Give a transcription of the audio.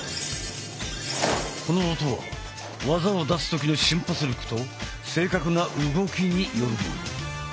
この音は技を出す時の瞬発力と正確な動きによるもの。